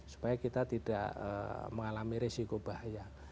supaya kita tidak mengalami risiko bahaya